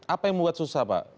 apa yang membuat susah pak